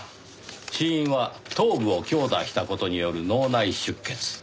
死因は頭部を強打した事による脳内出血。